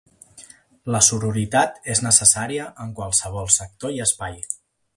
La sororitat és necessària en qualsevol sector i espai.